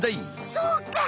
そうか！